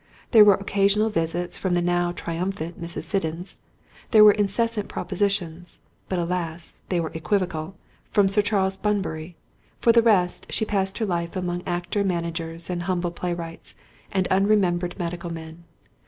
There were occasional visits from the now triumphant Mrs. Siddons; there were incessant propositions—but alas! they were equivocal—from Sir Charles Bunbury; for the rest, she passed her life among actor managers and humble playwrights and unremembered medical men.